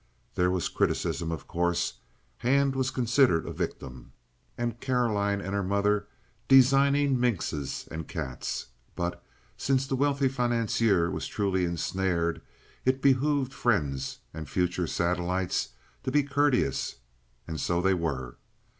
There was criticism, of course. Hand was considered a victim, and Caroline and her mother designing minxes and cats; but since the wealthy financier was truly ensnared it behooved friends and future satellites to be courteous, and so they were.